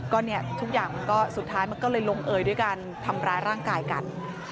ก็เนี่ยทุกอย่างมันก็สุดท้ายมันก็เลยลงเอยด้วยการทำร้ายร่างกายกัน